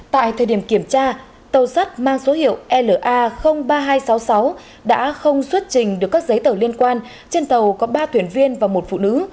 tại thời điểm kiểm tra tàu sắt mang số hiệu la ba nghìn hai trăm sáu mươi sáu đã không xuất trình được các giấy tờ liên quan trên tàu có ba thuyền viên và một phụ nữ